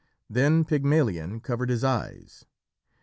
Then Pygmalion covered his eyes.